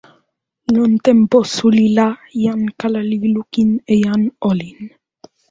lon tenpo suli la, jan kala li lukin e jan olin.